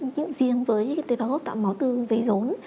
nhưng riêng với tế bảo gốc tạo máu từ giấy rốn